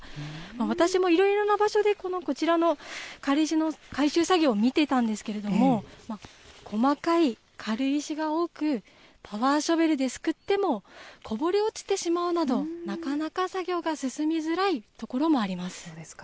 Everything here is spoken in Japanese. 私もいろいろな場所で、こちらの軽石の回収作業を見てたんですけれども、細かい軽石が多く、パワーショベルですくってもこぼれ落ちてしまうなど、なかなか作業が進みづらいところもあります。